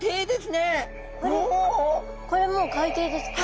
これもう海底ですか？